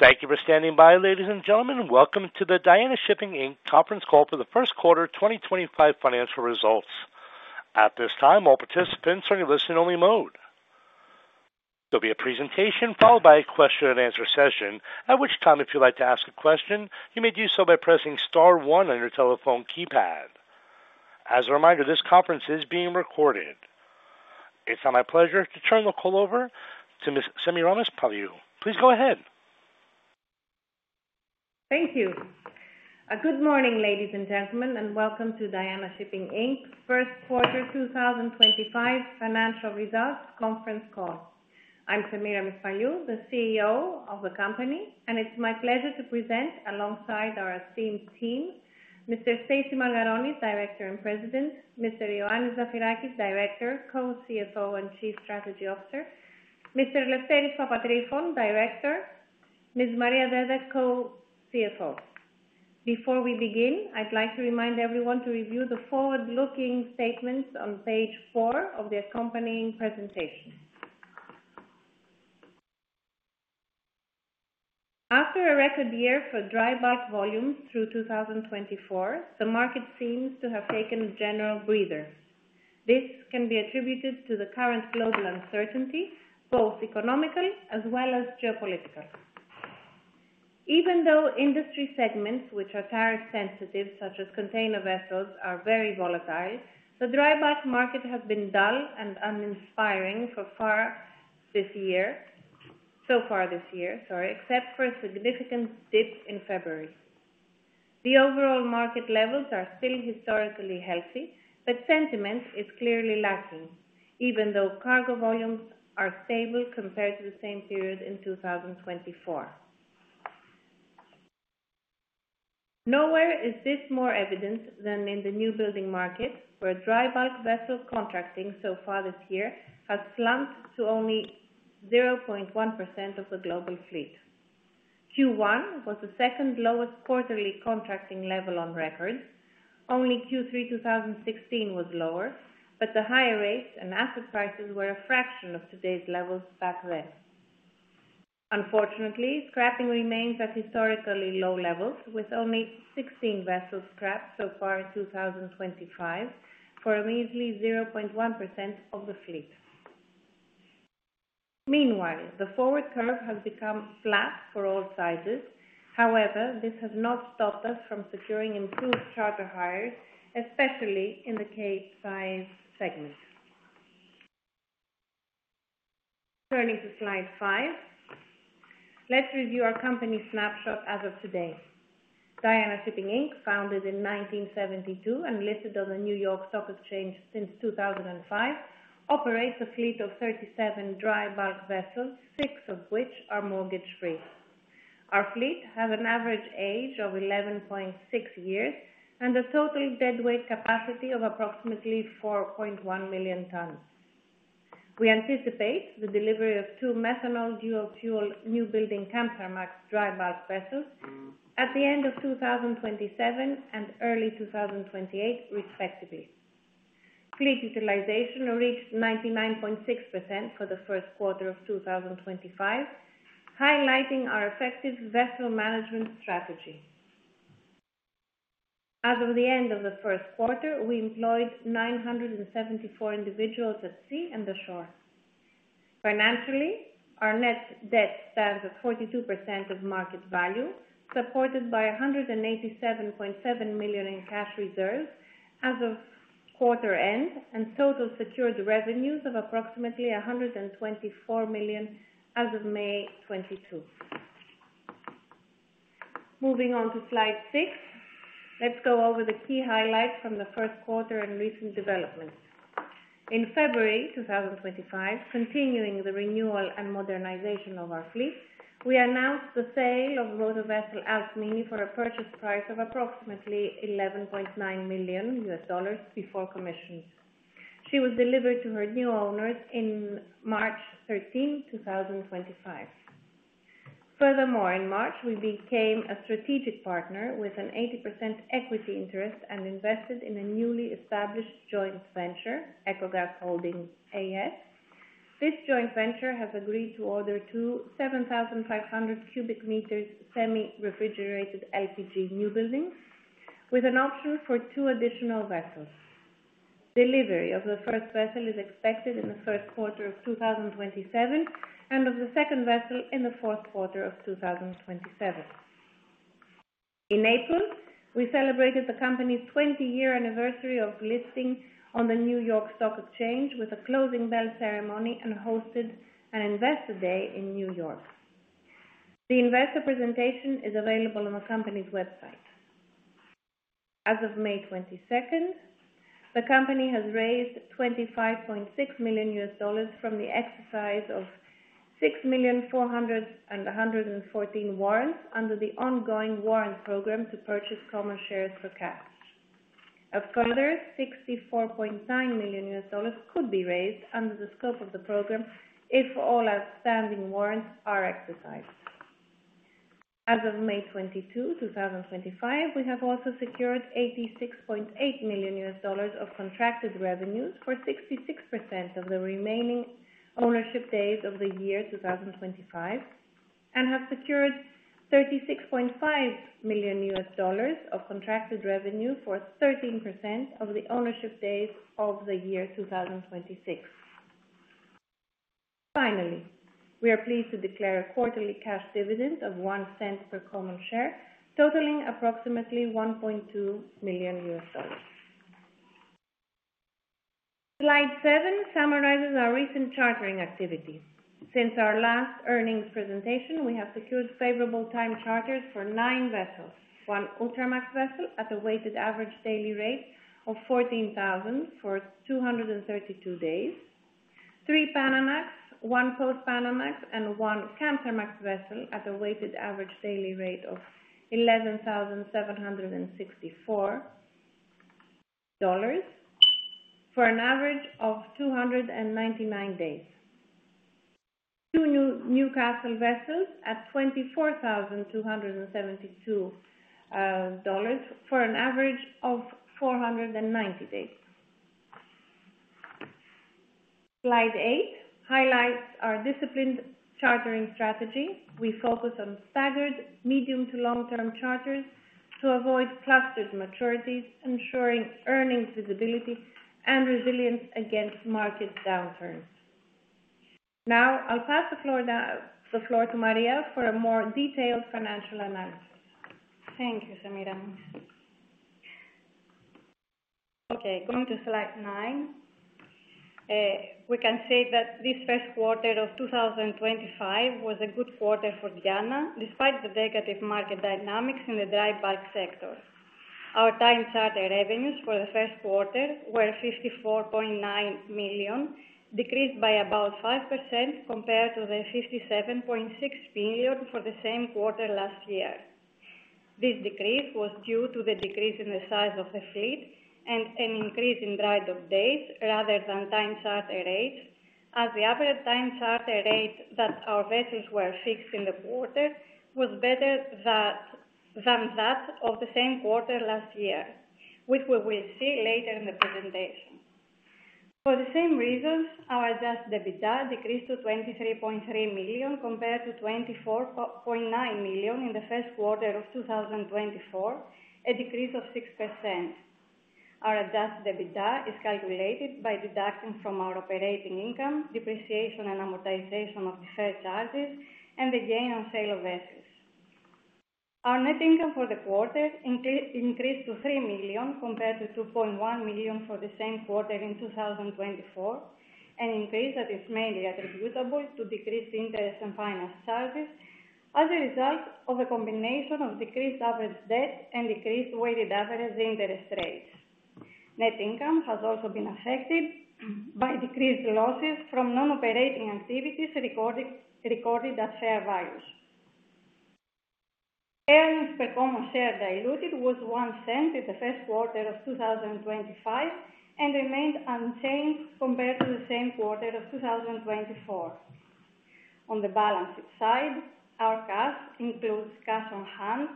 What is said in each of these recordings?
Thank you for standing by, ladies and gentlemen. Welcome to the Diana Shipping Conference Call for the first quarter 2025 financial results. At this time, all participants are in listen-only mode. There'll be a presentation followed by a question-and-answer session, at which time, if you'd like to ask a question, you may do so by pressing star one on your telephone keypad. As a reminder, this conference is being recorded. It's now my pleasure to turn the call over to Ms. Semiramis Paliou. Please go ahead. Thank you. A good morning, ladies and gentlemen, and welcome to Diana Shipping Inc First Quarter 2025 Financial Results Conference Call. I'm Semiramis Paliou, the CEO of the company, and it's my pleasure to present, alongside our esteemed team, Mr. Stasi Margaronis, Director and President; Mr. Loannis Zafirakis, Director, Co-CFO, and Chief Strategy Officer; Mr. Eleftherios Papadrigopoulos, Director; Ms. Maria Dede, Co-CFO. Before we begin, I'd like to remind everyone to review the forward-looking statements on page four of the accompanying presentation. After a record year for dry bulk volume through 2024, the market seems to have taken a general breather. This can be attributed to the current global uncertainty, both economical as well as geopolitical. Even though industry segments, which are tariff-sensitive, such as container vessels, are very volatile, the dry bulk market has been dull and uninspiring so far this year, except for a significant dip in February. The overall market levels are still historically healthy, but sentiment is clearly lacking, even though cargo volumes are stable compared to the same period in 2024. Nowhere is this more evident than in the new building market, where dry bulk vessel contracting so far this year has slumped to only 0.1% of the global fleet. Q1 was the second lowest quarterly contracting level on record. Only Q3 2016 was lower, but the hire rates and asset prices were a fraction of today's levels back then. Unfortunately, scrapping remains at historically low levels, with only 16 vessels scrapped so far in 2025 for a measly 0.1% of the fleet. Meanwhile, the forward curve has become flat for all sizes. However, this has not stopped us from securing improved charter hires, especially in the K size segment. Turning to slide five, let's review our company snapshot as of today. Diana Shipping Inc, founded in 1972 and listed on the New York Stock Exchange since 2005, operates a fleet of 37 dry bulk vessels, six of which are mortgage-free. Our fleet has an average age of 11.6 years and a total deadweight capacity of approximately 4.1 million tons. We anticipate the delivery of two methanol dual-fuel new building Kamsarmax dry-bulk vessels at the end of 2027 and early 2028, respectively. Fleet utilization reached 99.6% for the first quarter of 2025, highlighting our effective vessel management strategy. As of the end of the first quarter, we employed 974 individuals at sea and ashore. Financially, our net debt stands at 42% of market value, supported by $187.7 million in cash reserves as of quarter end and total secured revenues of approximately $124 million as of May 2022. Moving on to slide six, let's go over the key highlights from the first quarter and recent developments. In February 2025, continuing the renewal and modernization of our fleet, we announced the sale of motor vessel Alcmene for a purchase price of approximately $11.9 million before commission. She was delivered to her new owners on March 13, 2025. Furthermore, in March, we became a strategic partner with an 80% equity interest and invested in a newly established joint venture, Ecogas Holdings AS. This joint venture has agreed to order two 7,500 cubic meters semi-refrigerated LPG new buildings with an option for two additional vessels. Delivery of the first vessel is expected in the first quarter of 2027 and of the second vessel in the fourth quarter of 2027. In April, we celebrated the company's 20-year anniversary of listing on the New York Stock Exchange with a closing bell ceremony and hosted an Investor Day in New York. The Investor presentation is available on the company's website. As of May 22, the company has raised $25.6 million from the exercise of 6,400,114 warrants under the ongoing warrant program to purchase common shares for cash. A further $64.9 million could be raised under the scope of the program if all outstanding warrants are exercised. As of May 22, 2025, we have also secured $86.8 million of contracted revenues for 66% of the remaining ownership days of the year 2025 and have secured $36.5 million of contracted revenue for 13% of the ownership days of the year 2026. Finally, we are pleased to declare a quarterly cash dividend of $0.01 per common share, totaling approximately $1.2 million. Slide seven summarizes our recent chartering activity. Since our last earnings presentation, we have secured favorable time charters for nine vessels: one Ultramax vessel at a weighted average daily rate of $14,000 for 232 days; three Panamax, one Post-Panamax, and one Kamsarmax vessel at a weighted average daily rate of $11,764 for an average of 299 days; two Newcastlemax vessels at $24,272 for an average of 490 days. Slide eight highlights our disciplined chartering strategy. We focus on staggered medium to long-term charters to avoid clustered maturities, ensuring earnings visibility and resilience against market downturns. Now, I'll pass the floor to Maria for a more detailed financial analysis. Thank you, Semiramis. Okay, going to slide nine, we can say that this first quarter of 2025 was a good quarter for Diana, despite the negative market dynamics in the dry bulk sector. Our time charter revenues for the first quarter were $54.9 million, decreased by about 5% compared to the $57.6 million for the same quarter last year. This decrease was due to the decrease in the size of the fleet and an increase in dry dock days rather than time charter rates, as the average time charter rate that our vessels were fixed in the quarter was better than that of the same quarter last year, which we will see later in the presentation. For the same reasons, our adjusted EBITDA decreased to $23.3 million compared to $24.9 million in the first quarter of 2024, a decrease of 6%. Our adjusted EBITDA is calculated by deducting from our operating income, depreciation, and amortization of the fair charges, and the gain on sale of vessels. Our net income for the quarter increased to $3 million compared to $2.1 million for the same quarter in 2024, an increase that is mainly attributable to decreased interest and finance charges as a result of a combination of decreased average debt and decreased weighted average interest rates. Net income has also been affected by decreased losses from non-operating activities recorded at fair values. Earnings per common share diluted was $0.01 in the first quarter of 2025 and remained unchanged compared to the same quarter of 2024. On the balance sheet side, our cash includes cash on hand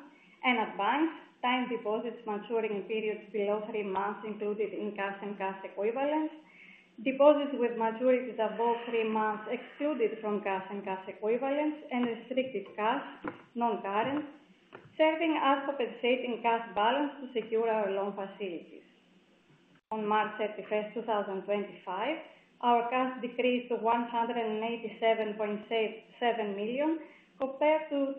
and advanced time deposits maturing in periods below three months included in cash and cash equivalents, deposits with maturities above three months excluded from cash and cash equivalents, and restricted cash, non-current, serving as compensating cash balance to secure our loan facilities. On March 31st, 2025, our cash decreased to $187.7 million compared to $207.2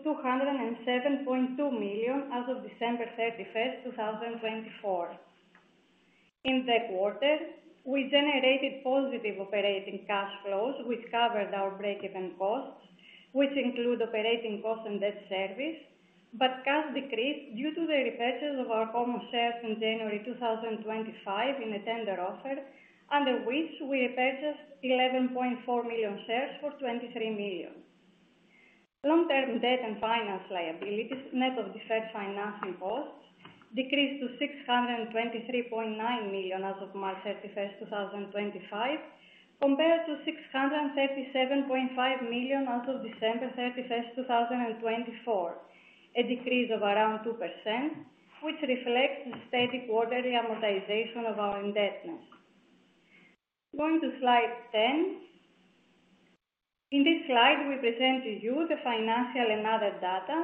million as of December 31st, 2024. In that quarter, we generated positive operating cash flows, which covered our break-even costs, which include operating costs and debt service, but cash decreased due to the repurchase of our common shares in January 2025 in a tender offer under which we repurchased 11.4 million shares for $23 million. Long-term debt and finance liabilities, net of defense financing costs, decreased to $623.9 million as of March 31, 2025, compared to $637.5 million as of December 31st, 2024, a decrease of around 2%, which reflects the steady quarterly amortization of our indebtedness. Going to slide ten. In this slide, we present to you the financial and other data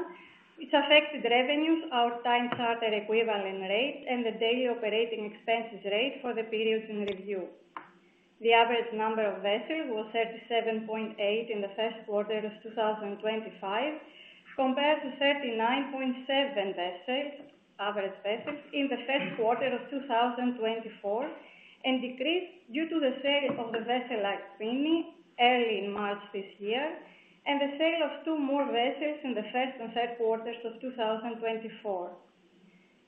which affected revenues, our time charter equivalent rate, and the daily operating expenses rate for the periods in review. The average number of vessels was 37.8 in the first quarter of 2025 compared to 39.7 average vessels in the first quarter of 2024 and decreased due to the sale of the vessel Alcmene early in March this year and the sale of two more vessels in the first and third quarters of 2024.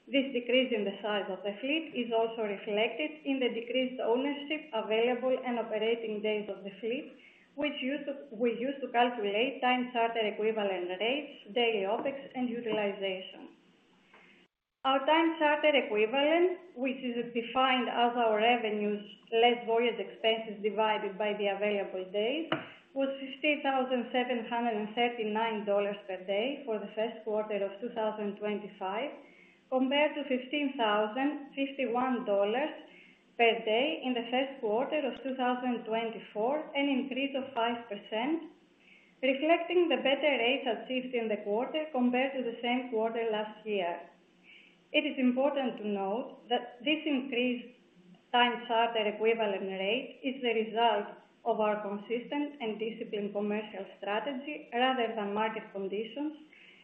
This decrease in the size of the fleet is also reflected in the decreased ownership, available, and operating days of the fleet, which we used to calculate time charter equivalent rates, daily OpEX, and utilization. Our time charter equivalent, which is defined as our revenues less voyage expenses divided by the available days, was $15,739 per day for the first quarter of 2025 compared to $15,051 per day in the first quarter of 2024, an increase of 5%, reflecting the better rates achieved in the quarter compared to the same quarter last year. It is important to note that this increased time charter equivalent rate is the result of our consistent and disciplined commercial strategy rather than market conditions,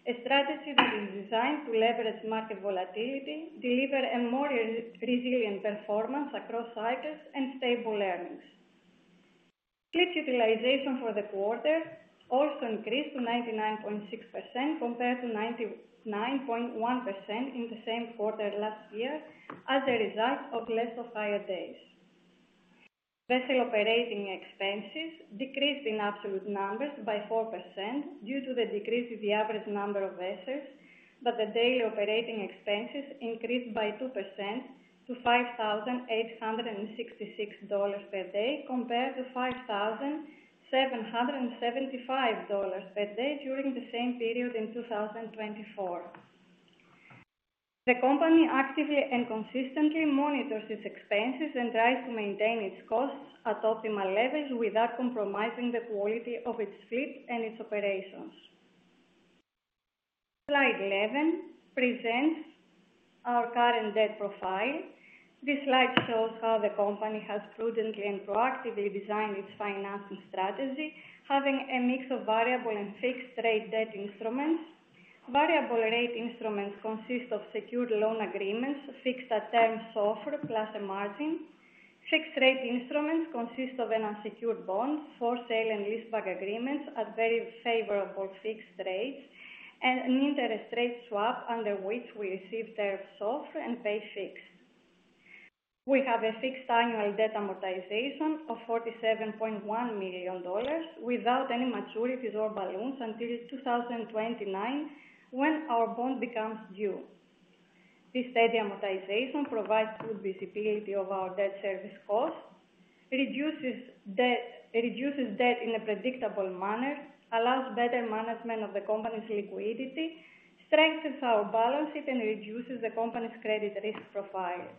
a strategy that is designed to leverage market volatility, deliver a more resilient performance across cycles, and stable earnings. Fleet utilization for the quarter also increased to 99.6% compared to 99.1% in the same quarter last year as a result of less off-hire days. Vessel operating expenses decreased in absolute numbers by 4% due to the decrease in the average number of vessels, but the daily operating expenses increased by 2% to $5,866 per day compared to $5,775 per day during the same period in 2024. The company actively and consistently monitors its expenses and tries to maintain its costs at optimal levels without compromising the quality of its fleet and its operations. Slide 11 presents our current debt profile. This slide shows how the company has prudently and proactively designed its financing strategy, having a mix of variable and fixed-rate debt instruments. Variable rate instruments consist of secured loan agreements fixed at terms offer plus a margin. Fixed-rate instruments consist of unsecured bonds, for sale and leaseback agreements at very favorable fixed rates, and an interest rate swap under which we receive terms offer and pay fixed. We have a fixed annual debt amortization of $47.1 million without any maturities or balloons until 2029 when our bond becomes due. This steady amortization provides good visibility of our debt service cost, reduces debt in a predictable manner, allows better management of the company's liquidity, strengthens our balance sheet, and reduces the company's credit risk profile.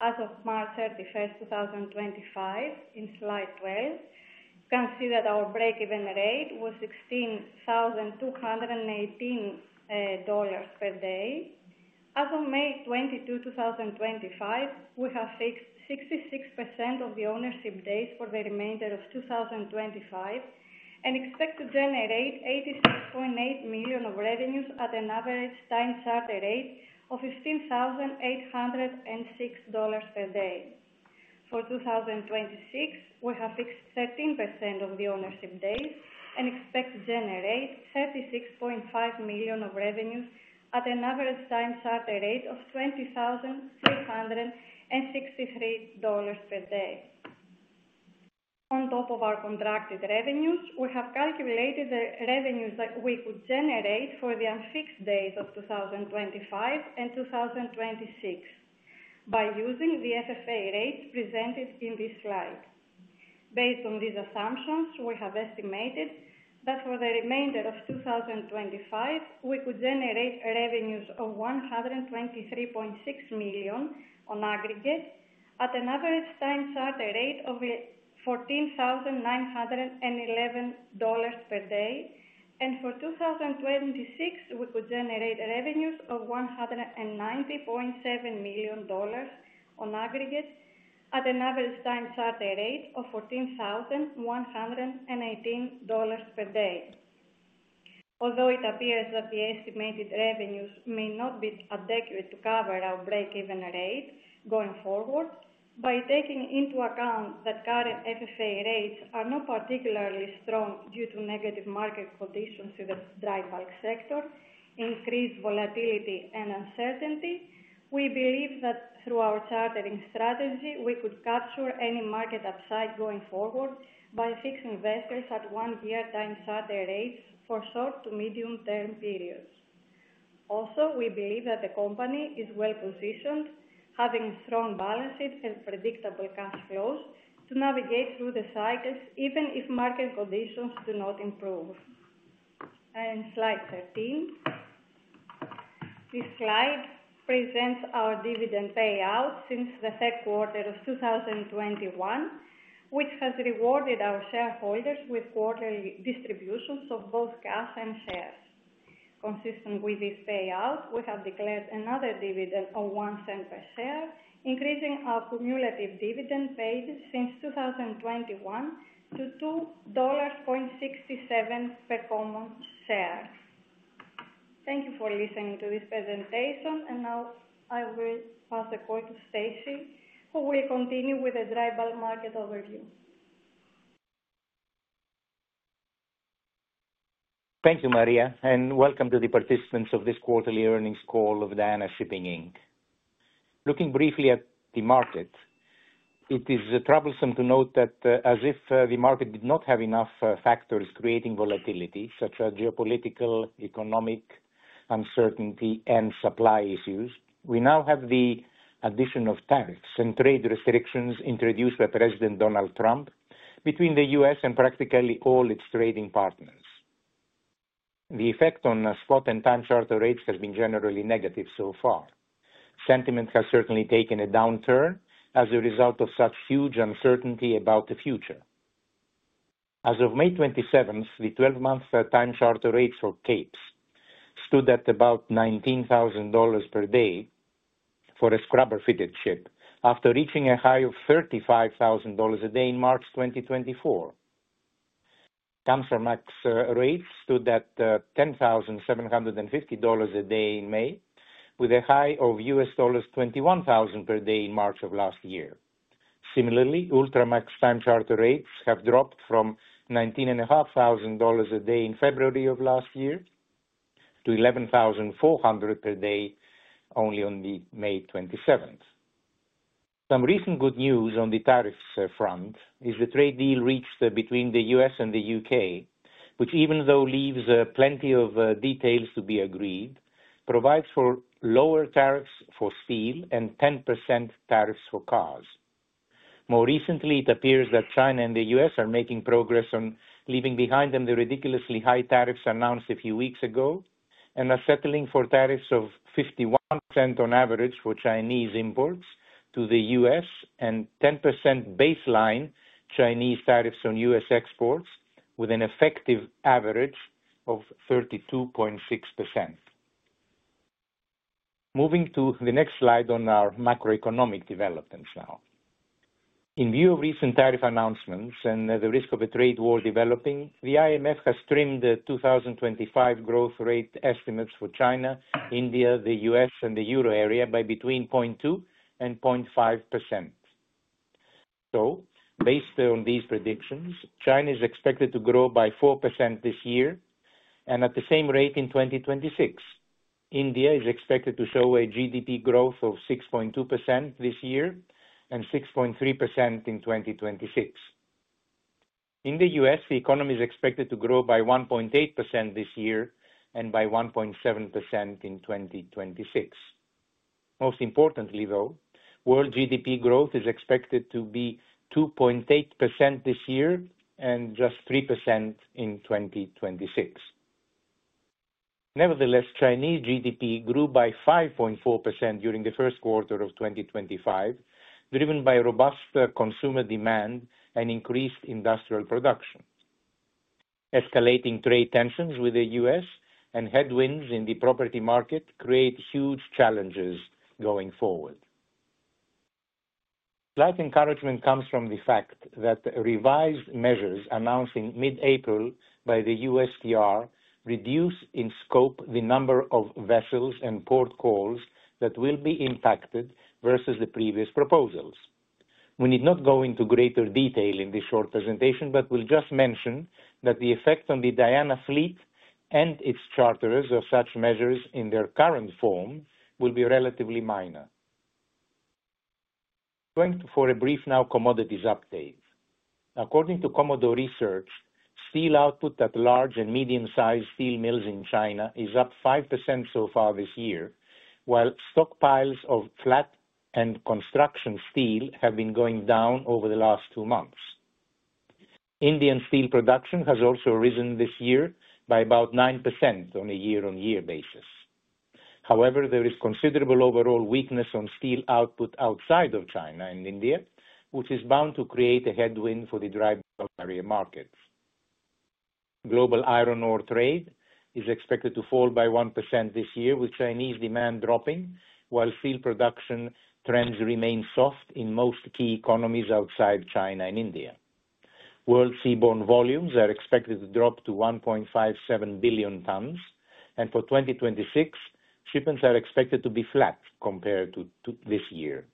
As of March 31, 2025, in slide 12, you can see that our break-even rate was $16,218 per day. As of May 22, 2025, we have fixed 66% of the ownership days for the remainder of 2025 and expect to generate $86.8 million of revenues at an average time charter rate of $15,806 per day. For 2026, we have fixed 13% of the ownership days and expect to generate $36.5 million of revenues at an average time charter rate of $20,363 per day. On top of our contracted revenues, we have calculated the revenues that we could generate for the unfixed days of 2025 and 2026 by using the FFA rates presented in this slide. Based on these assumptions, we have estimated that for the remainder of 2025, we could generate revenues of $123.6 million on aggregate at an average time charter rate of $14,911 per day, and for 2026, we could generate revenues of $190.7 million on aggregate at an average time charter rate of $14,118 per day. Although it appears that the estimated revenues may not be adequate to cover our break-even rate going forward, by taking into account that current FFA rates are not particularly strong due to negative market conditions in the dry bulk sector, increased volatility, and uncertainty, we believe that through our chartering strategy, we could capture any market upside going forward by fixed investors at one-year time charter rates for short to medium-term periods. Also, we believe that the company is well-positioned, having strong balance sheets and predictable cash flows to navigate through the cycles even if market conditions do not improve. Slide 13. This slide presents our dividend payout since the third quarter of 2021, which has rewarded our shareholders with quarterly distributions of both cash and shares. Consistent with this payout, we have declared another dividend of $0.01 per share, increasing our cumulative dividend paid since 2021 to $2.67 per common share. Thank you for listening to this presentation, and now I will pass the call to Stasi, who will continue with the dry bulk market overview. Thank you, Maria, and welcome to the participants of this quarterly earnings call of Diana Shipping Inc. Looking briefly at the market, it is troublesome to note that as if the market did not have enough factors creating volatility, such as geopolitical, economic uncertainty, and supply issues, we now have the addition of tariffs and trade restrictions introduced by President Donald Trump between the U.S. and practically all its trading partners. The effect on spot and time charter rates has been generally negative so far. Sentiment has certainly taken a downturn as a result of such huge uncertainty about the future. As of May 27th, the 12-month time charter rates for Capes stood at about $19,000 per day for a scrubber-fitted ship after reaching a high of $35,000 a day in March 2024. Kamsarmax rates stood at $10,750 a day in May, with a high of $21,000 per day in March of last year. Similarly, Ultramax time charter rates have dropped from $19,500 a day in February of last year to $11,400 per day only on May 27. Some recent good news on the tariffs front is the trade deal reached between the U.S. and the U.K., which, even though leaves plenty of details to be agreed, provides for lower tariffs for steel and 10% tariffs for cars. More recently, it appears that China and the U.S. are making progress on leaving behind them the ridiculously high tariffs announced a few weeks ago and are settling for tariffs of 51% on average for Chinese imports to the U.S. and 10% baseline Chinese tariffs on U.S. exports, with an effective average of 32.6%. Moving to the next slide on our macroeconomic developments now. In view of recent tariff announcements and the risk of a trade war developing, the IMF has trimmed the 2025 growth rate estimates for China, India, the U.S., and the Euro area by between 0.2% and 0.5%. Based on these predictions, China is expected to grow by 4% this year and at the same rate in 2026. India is expected to show a GDP growth of 6.2% this year and 6.3% in 2026. In the U.S., the economy is expected to grow by 1.8% this year and by 1.7% in 2026. Most importantly, though, world GDP growth is expected to be 2.8% this year and just 3% in 2026. Nevertheless, Chinese GDP grew by 5.4% during the first quarter of 2025, driven by robust consumer demand and increased industrial production. Escalating trade tensions with the U.S. and headwinds in the property market create huge challenges going forward. Slight encouragement comes from the fact that revised measures announced in mid-April by the USTR reduce in scope the number of vessels and port calls that will be impacted versus the previous proposals. We need not go into greater detail in this short presentation, but we'll just mention that the effect on the Diana fleet and its charterers of such measures in their current form will be relatively minor. Going for a brief now commodities update. According to Commodore Research, steel output at large and medium-sized steel mills in China is up 5% so far this year, while stockpiles of flat and construction steel have been going down over the last two months. Indian steel production has also risen this year by about 9% on a year-on-year basis. However, there is considerable overall weakness on steel output outside of China and India, which is bound to create a headwind for the dry bulk area markets. Global iron ore trade is expected to fall by 1% this year, with Chinese demand dropping, while steel production trends remain soft in most key economies outside China and India. World seaborne volumes are expected to drop to 1.57 billion tons, and for 2026, shipments are expected to be flat compared to this year.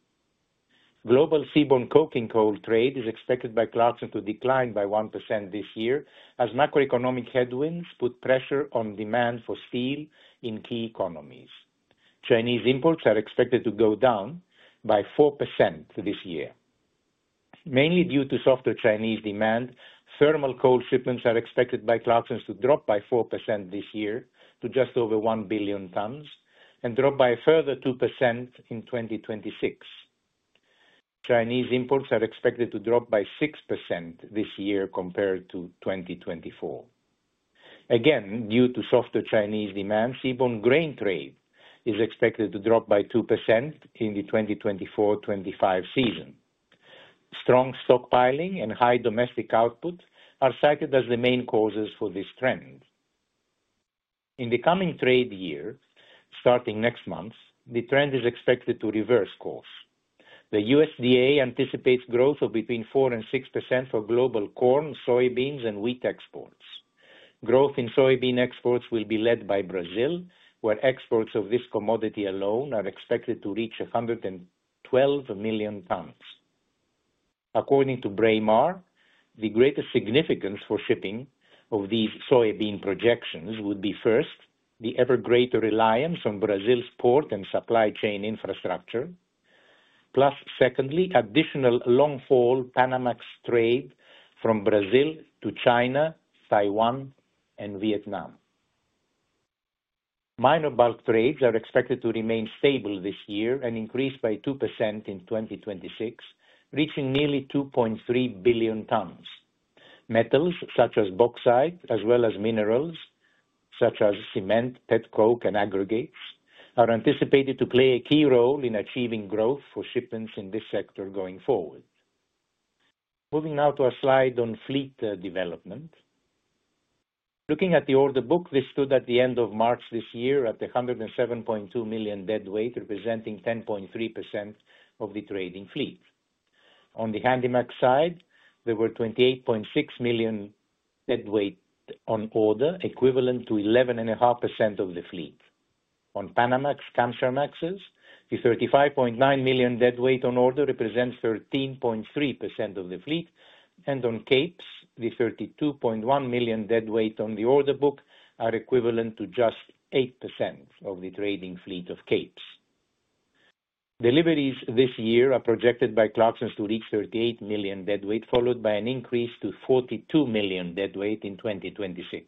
Global seaborne coking coal trade is expected by Clarksons to decline by 1% this year as macroeconomic headwinds put pressure on demand for steel in key economies. Chinese imports are expected to go down by 4% this year, mainly due to softer Chinese demand. Thermal coal shipments are expected by Clarksons to drop by 4% this year to just over 1 billion tons and drop by a further 2% in 2026. Chinese imports are expected to drop by 6% this year compared to 2024. Again, due to softer Chinese demand, seaborne grain trade is expected to drop by 2% in the 2024-2025 season. Strong stockpiling and high domestic output are cited as the main causes for this trend. In the coming trade year, starting next month, the trend is expected to reverse course. The USDA anticipates growth of between 4% and 6% for global corn, soybeans, and wheat exports. Growth in soybean exports will be led by Brazil, where exports of this commodity alone are expected to reach 112 million tons. According to Braemar, the greatest significance for shipping of these soybean projections would be, first, the ever-greater reliance on Brazil's port and supply chain infrastructure, plus, secondly, additional long-haul Panamax trade from Brazil to China, Taiwan, and Vietnam. Minor bulk trades are expected to remain stable this year and increase by 2% in 2026, reaching nearly 2.3 billion tons. Metals such as bauxite, as well as minerals such as cement, petcoke, and aggregates, are anticipated to play a key role in achieving growth for shipments in this sector going forward. Moving now to a slide on fleet development. Looking at the order book, this stood at the end of March this year at 107.2 million deadweight, representing 10.3% of the trading fleet. On the Handymax side, there were 28.6 million deadweight on order, equivalent to 11.5% of the fleet. On Panamax, Kamsarmax, the 35.9 million deadweight on order represents 13.3% of the fleet, and on Capes, the 32.1 million deadweight on the order book is equivalent to just 8% of the trading fleet of Capes. Deliveries this year are projected by Clarksons to reach 38 million deadweight, followed by an increase to 42 million deadweight in 2026.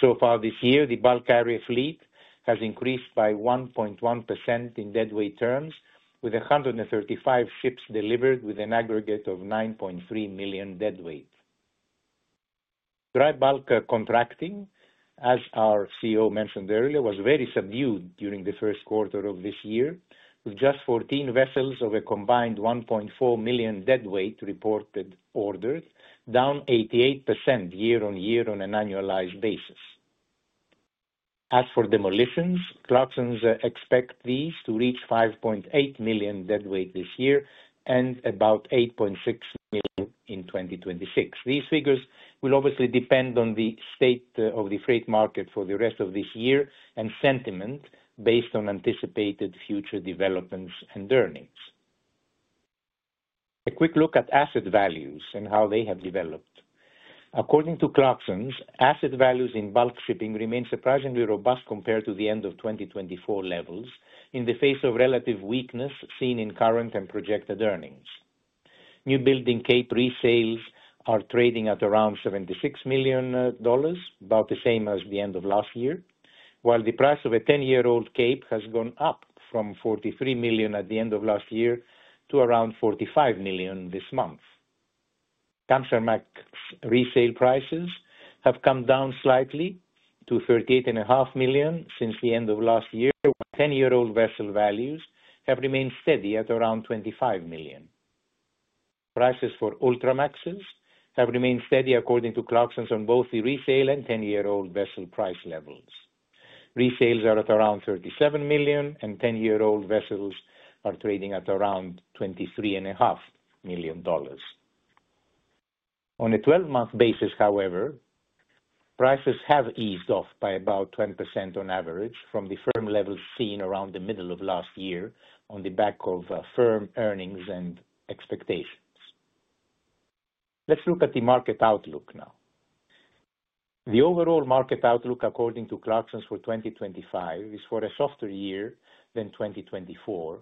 So far this year, the dry bulk fleet has increased by 1.1% in deadweight terms, with 135 ships delivered with an aggregate of 9.3 million deadweight. Dry bulk contracting, as our CEO mentioned earlier, was very subdued during the first quarter of this year, with just 14 vessels of a combined 1.4 million deadweight reported orders, down 88% year-on-year on an annualized basis. As for demolitions, Clarksons expect these to reach 5.8 million deadweight this year and about 8.6 million in 2026. These figures will obviously depend on the state of the freight market for the rest of this year and sentiment based on anticipated future developments and earnings. A quick look at asset values and how they have developed. According to Clarksons, asset values in bulk shipping remain surprisingly robust compared to the end of 2024 levels in the face of relative weakness seen in current and projected earnings. New building Cape resales are trading at around $76 million, about the same as the end of last year, while the price of a 10-year-old Cape has gone up from $43 million at the end of last year to around $45 million this month. Kamsarmax resale prices have come down slightly to $38.5 million since the end of last year, while 10-year-old vessel values have remained steady at around $25 million. Prices for Ultramax's have remained steady, according to Clarksons, on both the resale and 10-year-old vessel price levels. Resales are at around $37 million, and 10-year-old vessels are trading at around $23.5 million. On a 12-month basis, however, prices have eased off by about 10% on average from the firm levels seen around the middle of last year on the back of firm earnings and expectations. Let's look at the market outlook now. The overall market outlook, according to Clarksons for 2025, is for a softer year than 2024,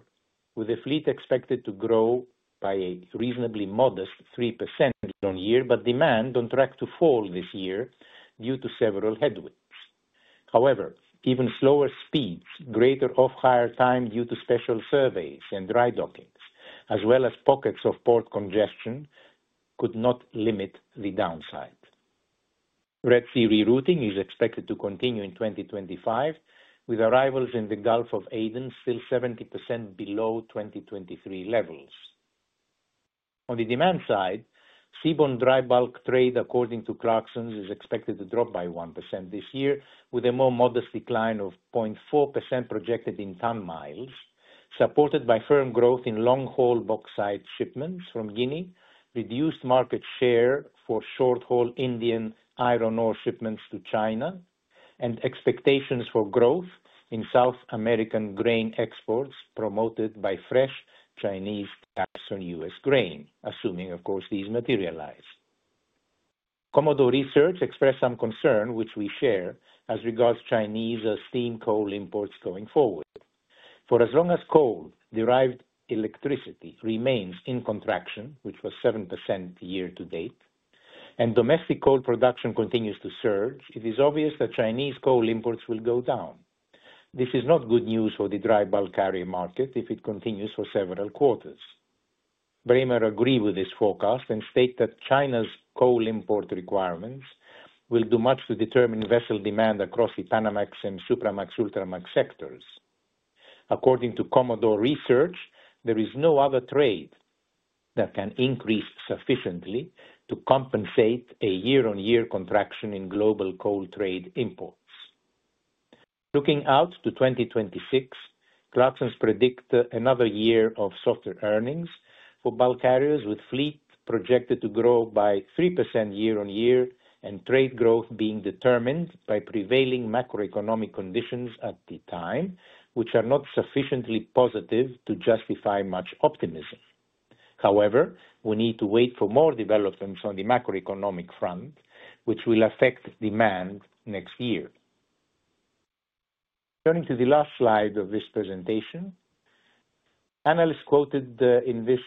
with the fleet expected to grow by a reasonably modest 3% on year, but demand on track to fall this year due to several headwinds. However, even slower speeds, greater off-hire time due to special surveys and dry docking, as well as pockets of port congestion, could not limit the downside. Red Sea rerouting is expected to continue in 2025, with arrivals in the Gulf of Aden still 70% below 2023 levels. On the demand side, seaborne dry bulk trade, according to Clarksons, is expected to drop by 1% this year, with a more modest decline of 0.4% projected in ton miles, supported by firm growth in long-haul bauxite shipments from Guinea, reduced market share for short-haul Indian iron ore shipments to China, and expectations for growth in South American grain exports promoted by fresh Chinese caps on U.S. grain, assuming, of course, these materialize. Commodore Research expressed some concern, which we share, as regards Chinese steam coal imports going forward. For as long as coal-derived electricity remains in contraction, which was 7% year-to-date, and domestic coal production continues to surge, it is obvious that Chinese coal imports will go down. This is not good news for the dry bulk market if it continues for several quarters. Braemar agreed with this forecast and stated that China's coal import requirements will do much to determine vessel demand across the Panamax and Supramax Ultramax sectors. According to Commodore Research, there is no other trade that can increase sufficiently to compensate a year-on-year contraction in global coal trade imports. Looking out to 2026, Clarksons predicts another year of softer earnings for bulk carriers, with fleet projected to grow by 3% year-on-year and trade growth being determined by prevailing macroeconomic conditions at the time, which are not sufficiently positive to justify much optimism. However, we need to wait for more developments on the macroeconomic front, which will affect demand next year. Turning to the last slide of this presentation, analysts quoted in this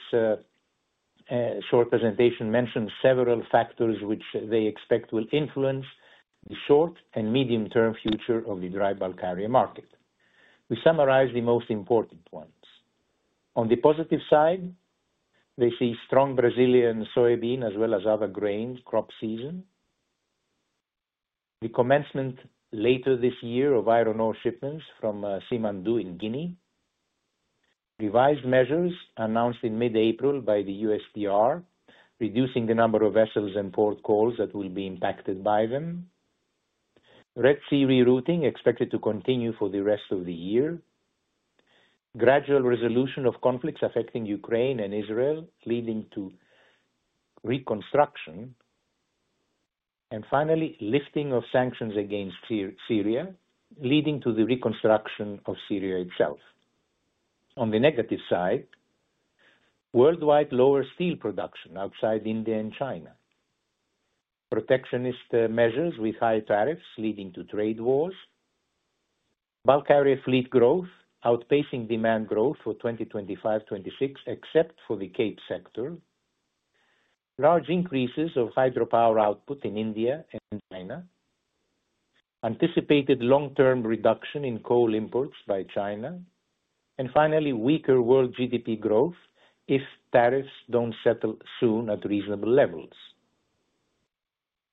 short presentation mentioned several factors which they expect will influence the short and medium-term future of the dry bulk area market. We summarized the most important ones. On the positive side, they see strong Brazilian soybean as well as other grain crop season, the commencement later this year of iron ore shipments from Simandou in Guinea, revised measures announced in mid-April by the USTR, reducing the number of vessels and port calls that will be impacted by them, Red Sea rerouting expected to continue for the rest of the year, gradual resolution of conflicts affecting Ukraine and Israel, leading to reconstruction, and finally, lifting of sanctions against Syria, leading to the reconstruction of Syria itself. On the negative side, worldwide lower steel production outside India and China, protectionist measures with high tariffs leading to trade wars, bulk area fleet growth outpacing demand growth for 2025-2026, except for the Cape sector, large increases of hydropower output in India and China, anticipated long-term reduction in coal imports by China, and finally, weaker world GDP growth if tariffs do not settle soon at reasonable levels.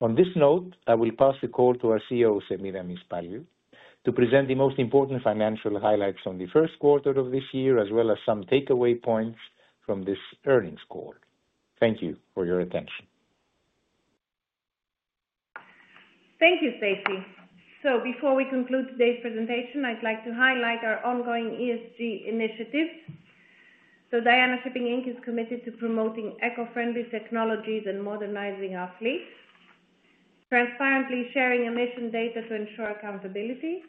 On this note, I will pass the call to our CEO, Semiramis Paliou, to present the most important financial highlights on the first quarter of this year, as well as some takeaway points from this earnings call. Thank you for your attention. Thank you, Stasi. Before we conclude today's presentation, I would like to highlight our ongoing ESG initiatives. Diana Shipping Inc. is committed to promoting eco-friendly technologies and modernizing our fleet, transparently sharing emission data to ensure accountability,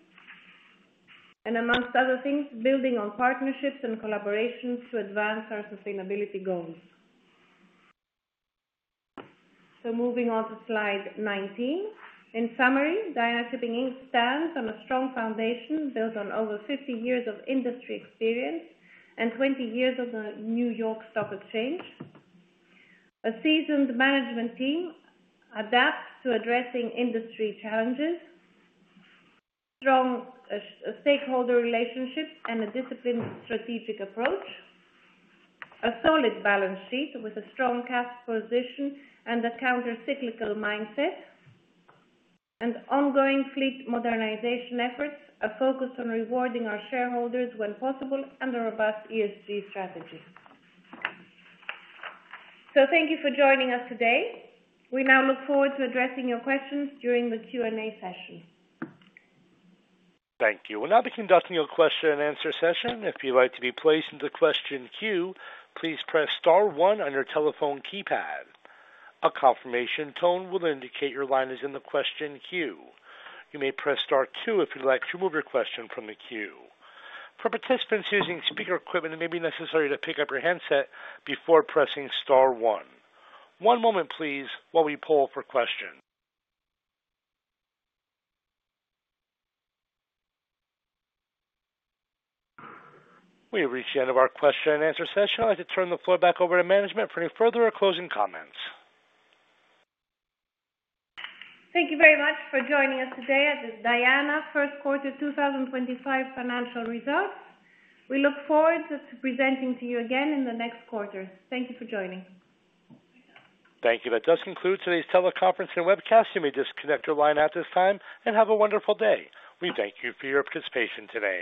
and amongst other things, building on partnerships and collaborations to advance our sustainability goals. Moving on to slide 19. In summary, Diana Shipping Inc stands on a strong foundation built on over 50 years of industry experience and 20 years on the New York Stock Exchange. A seasoned management team adapts to addressing industry challenges, strong stakeholder relationships, and a disciplined strategic approach, a solid balance sheet with a strong cap position and a countercyclical mindset, and ongoing fleet modernization efforts, a focus on rewarding our shareholders when possible, and a robust ESG strategy. Thank you for joining us today. We now look forward to addressing your questions during the Q&A session. Thank you. We'll now begin to ask your question and answer session. If you'd like to be placed in the question queue, please press star one on your telephone keypad. A confirmation tone will indicate your line is in the question queue. You may press star two if you'd like to remove your question from the queue. For participants using speaker equipment, it may be necessary to pick up your handset before pressing star one. One moment, please, while we pull for questions. We have reached the end of our question and answer session. I'd like to turn the floor back over to management for any further or closing comments. Thank you very much for joining us today. This is Diana First Quarter 2025 Financial Results. We look forward to presenting to you again in the next quarter. Thank you for joining. Thank you. That does conclude today's teleconference and webcast. You may disconnect your line at this time and have a wonderful day. We thank you for your participation today.